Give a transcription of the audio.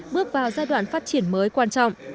bước vào giai đoạn phát triển mới quan trọng